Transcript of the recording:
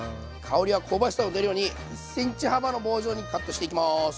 香りや香ばしさを出るように１ｃｍ幅の棒状にカットしていきます。